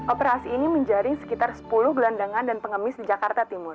operasi ini menjaring sekitar sepuluh gelandangan dan pengemis di jakarta timur